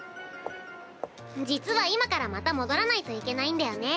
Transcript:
実は今からまた戻らないといけないんだよね。